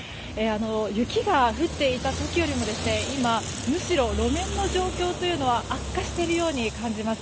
雪が降っていた時よりも今、むしろ路面の状況というのは悪化しているように感じます。